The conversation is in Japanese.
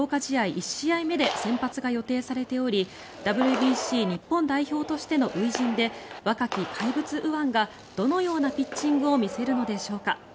１試合目で先発が予定されておりＷＢＣ日本代表としての初陣で若き怪物右腕がどのようなピッチングを見せるのでしょうか。